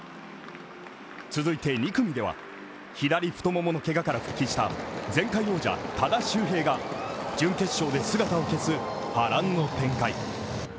続いて２組では、左太もものケガから復帰した前回王者・多田修平が準決勝で姿を消す波乱の展開。